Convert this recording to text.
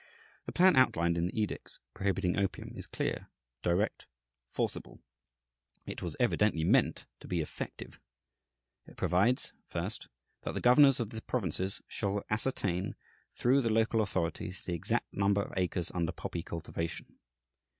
The plan outlined in the edicts prohibiting opium is clear, direct, forcible. It was evidently meant to be effective. It provides (first) that the governors of the provinces shall ascertain, through the local authorities, the exact number of acres under poppy cultivation.